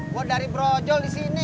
gue dari brojol disini